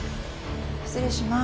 失礼します。